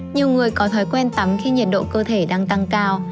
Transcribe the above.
nhiều người có thói quen tắm khi nhiệt độ cơ thể đang tăng cao